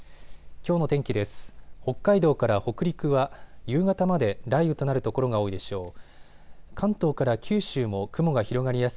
きょうの天気です。